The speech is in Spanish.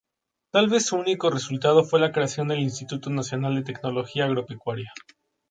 Tal vez su único resultado fue la creación del Instituto Nacional de Tecnología Agropecuaria.